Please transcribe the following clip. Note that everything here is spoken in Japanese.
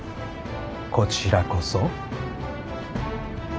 こちらこそ。